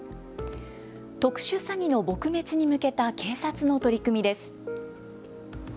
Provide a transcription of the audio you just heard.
特殊詐欺の撲滅に向けた警察の取り組みです。